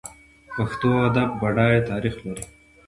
پښتو ادب بډای تاریخ لري.